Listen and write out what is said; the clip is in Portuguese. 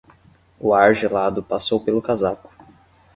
O ar gelado passou pelo casaco.